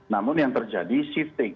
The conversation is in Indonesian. namun yang terjadi shifting